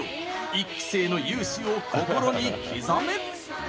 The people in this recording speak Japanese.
１期生の雄姿を心に刻め！